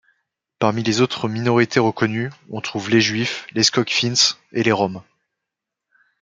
Parmi les autres minorités reconnues, on trouve les juifs, les Skogfinns et les Roms.